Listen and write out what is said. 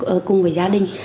ở cùng với gia đình